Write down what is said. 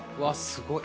すごい。